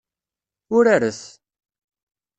Uraret!